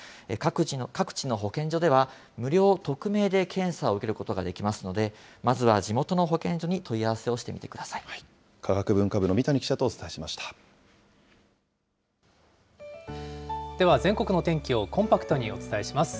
各地の保健所では、無料・匿名で検査を受けることができますので、まずは地元の保健所に問い合わせ科学文化部の三谷記者とお伝では、全国の天気をコンパクトにお伝えします。